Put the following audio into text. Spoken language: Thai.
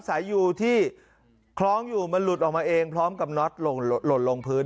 สายยูที่คล้องอยู่มันหลุดออกมาเองพร้อมกับน็อตหล่นลงพื้น